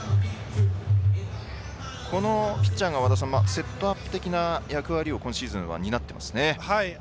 このピッチャーが和田さんセットアップ的な役割を今シーズン担っていますね。